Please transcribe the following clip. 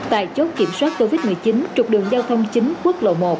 tại chốt kiểm soát covid một mươi chín trục đường giao thông chính quốc lộ một